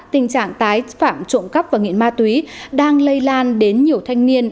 tình trạng tái phạm trộm cắp và nghiện ma túy đang lây lan đến nhiều thanh niên